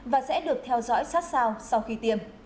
và sẽ được theo dõi sát sao sau khi tiêm